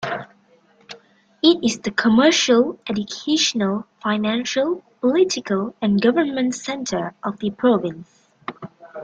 It is the commercial, educational, financial, political and government center of the province.